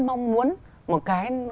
mong muốn một cái